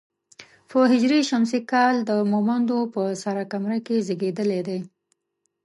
په هـ ش کال د مومندو په سره کمره کې زېږېدلی دی.